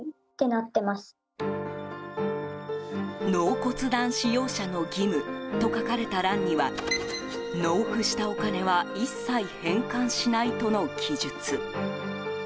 納骨壇使用者の義務と書かれた欄には納付したお金は一切返還しないとの記述。